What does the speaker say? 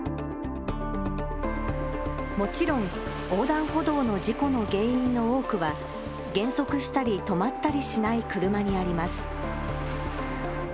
もちろん横断歩道の事故の原因の多くは減速したり止まったりしない車にあります。